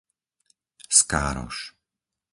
Skároš